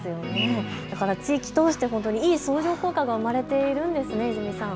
だから地域通していい相乗効果が生まれているんですね、泉さん。